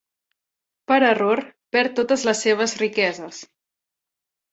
Per error, perd totes les seves riqueses.